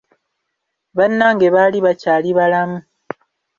Bannange baali bakyali balamu.